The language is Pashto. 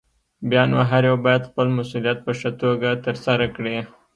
بيا نو هر يو بايد خپل مسؤليت په ښه توګه ترسره کړي.